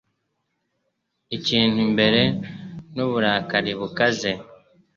Ikintu imbere N'uburakari bukaze,